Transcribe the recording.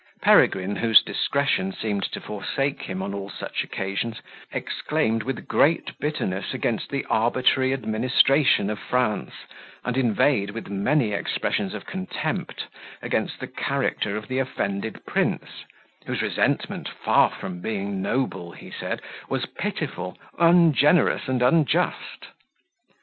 Peregrine, whose discretion seemed to forsake him on all such occasions, exclaimed, with great bitterness, against the arbitrary administration of France, and inveighed, with many expressions of contempt, against the character of the offended prince, whose resentment, far from being noble, he mid, was pitiful, ungenerous, and unjust.